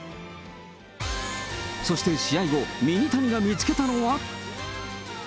そして試合後、ミニタニが見つけたのは。